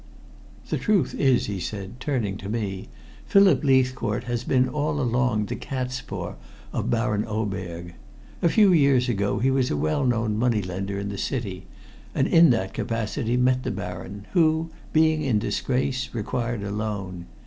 The truth is," he said, turning to me, "Philip Leithcourt has all along been the catspaw of Baron Oberg. A few years ago he was a well known money lender in the city, and in that capacity met the Baron, who, being in disgrace, required a loan.